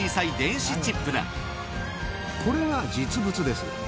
これが実物です。